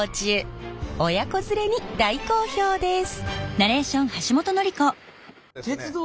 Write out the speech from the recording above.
親子連れに大好評です。